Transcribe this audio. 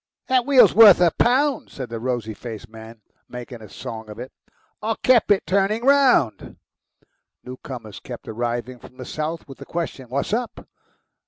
"That wheel's worth a pound," said the rosy faced man, making a song of it. "I kep' turning it round." Newcomers kept arriving from the south with the question, "What's up?"